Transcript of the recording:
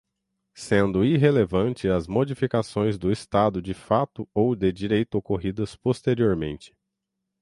sendo irrelevantes as modificações do estado de fato ou de direito ocorridas posteriormente